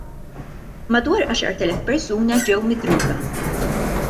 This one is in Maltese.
Madwar għaxart elef persuna ġew midruba.